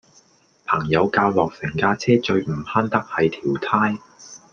朋友教落成架車最唔慳得係條呔